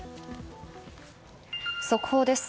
速報です。